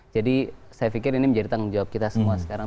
jadi saya pikir ini menjadi tanggung jawab kita semua sekarang